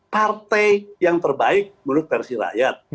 partai yang terbaik menurut versi rakyat